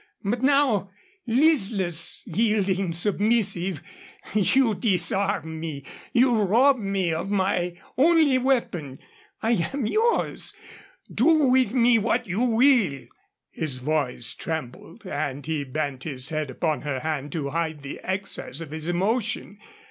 But now, listless, yielding, submissive, you disarm me, you rob me of my only weapon. I am yours. Do with me what you will." His voice trembled, and he bent his head upon her hand to hide the excess of his emotion.